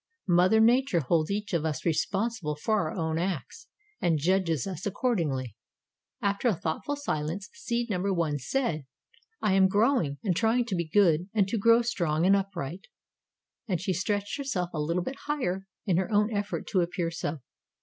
Mother Nature holds each of us responsible for our own acts and judges us accordingly." After a thoughtful silence seed number One said: "I am growing to try to be good and to grow strong and upright," and she stretched herself a little bit higher in her own effort to appear so.